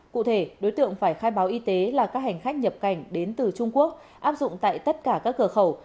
cụ thể đối tượng phải khai báo y tế là các hành khách nhập cảnh đến từ trung quốc áp dụng tại tất cả các cửa khẩu